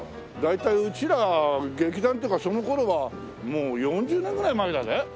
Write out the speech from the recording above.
大体うちら劇団とかその頃はもう４０年ぐらい前だぜ。